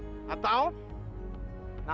atau kalian bisa pergi ke rumah